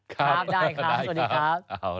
ครับได้ครับสวัสดีครับ